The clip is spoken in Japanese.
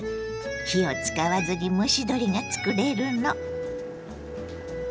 火を使わずに蒸し鶏が作れるの。